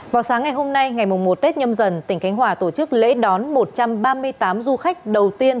vào sáng ngày hôm nay ngày một tết nhâm dần tỉnh khánh hòa tổ chức lễ đón một trăm ba mươi tám du khách đầu tiên